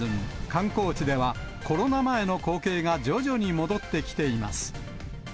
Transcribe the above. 観光地では、コロナ前の光景が徐々に戻ってきています。